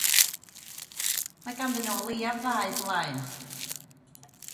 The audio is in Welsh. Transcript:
Mae ganddyn nhw o leiaf ddau blaen.